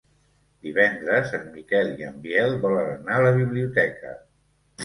Divendres en Miquel i en Biel volen anar a la biblioteca.